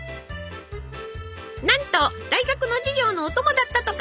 なんと大学の授業のお供だったとか。